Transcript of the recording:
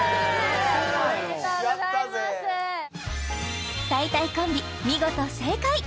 おめでとうございますやったぜたいたいコンビ見事正解！